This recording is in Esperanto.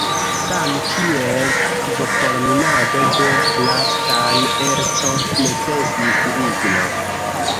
Same kiel akvo por minado de la stan-erco necesis ligno.